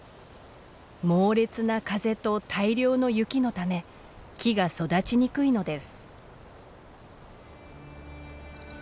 猛烈な風と大量の雪のため木が育ちにくいのです。